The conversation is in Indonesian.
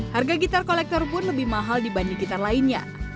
harga gitar kolektor pun lebih mahal dibanding gitar lainnya